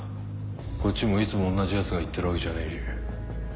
こっちもいつもおんなじやつが行ってるわけじゃねえし。